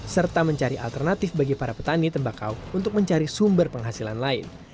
serta mencari alternatif bagi para petani tembakau untuk mencari sumber penghasilan lain